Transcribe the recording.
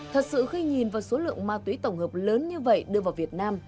thật sự khi nhìn vào số lượng ma túy tổng hợp lớn như vậy đưa vào việt nam